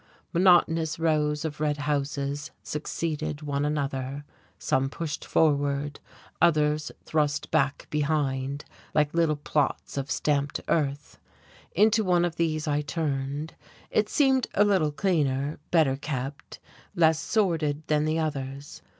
Monotonous rows of red houses succeeded one another, some pushed forward, others thrust back behind little plots of stamped earth. Into one of these I turned. It seemed a little cleaner, better kept, less sordid than the others.